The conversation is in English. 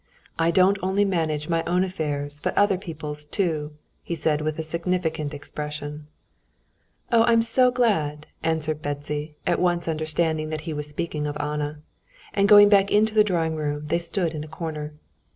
I don't only manage my own affairs, but other people's too," he said, with a significant expression. "Oh, I'm so glad!" answered Betsy, at once understanding that he was speaking of Anna. And going back into the drawing room, they stood in a corner.